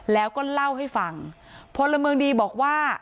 แล้วก็เล่าให้ฟังพลเมืองดีบอกว่า